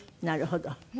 なるほど。